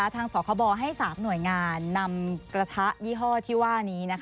สคบให้๓หน่วยงานนำกระทะยี่ห้อที่ว่านี้